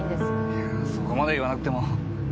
いやそこまで言わなくても。